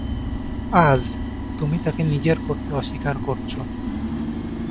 আজ, তুমি তাকে নিজের করতে অস্বীকার করছো।